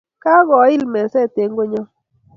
Kakoil meset en konyon